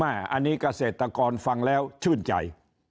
อันนี้เกษตรกรฟังแล้วชื่นใจ